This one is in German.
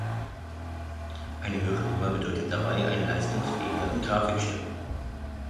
Eine höhere Nummer bedeutet dabei einen leistungsfähigeren Grafikchip.